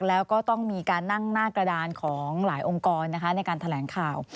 แล้วก็ต้องมีการนั่งหน้ากระดานของหลายองค์กรในการแถลงข่าว